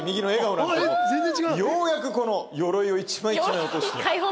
ようやくこのよろいを一枚一枚落として。